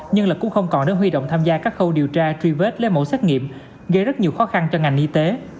nhưng là cũng không còn được huy động tham gia các khâu điều tra truy vết lê mẫu xét nghiệm gây rất nhiều khó khăn cho ngành y tế